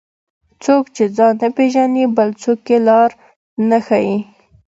څوک چې ځان نه پیژني، بل څوک یې لار نه ښيي.